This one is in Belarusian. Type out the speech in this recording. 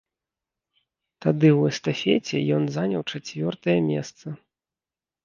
Тады ў эстафеце ён заняў чацвёртае месца.